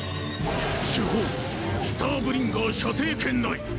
主砲スターブリンガー射程圏内。